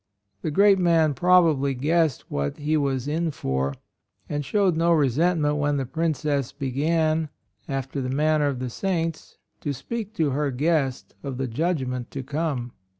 The great man probably guessed what he was "in for," and showed no resentment when AND MOTHER. 43 the Princess began, after the manner of the saints, to speak to her guest of the judgment to come.